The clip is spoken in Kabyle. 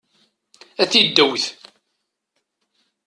A tiddewt!